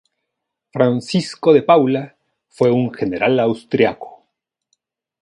Francisco de Paula fue un General Austríaco.